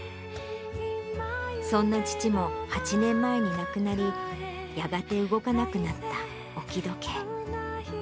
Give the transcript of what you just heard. そんな父も８年前に亡くなり、やがて動かなくなった置き時計。